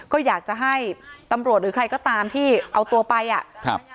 ก็อยากจะให้ตำรวจหรือใครก็ตามที่เอาตัวไปอ่ะครับ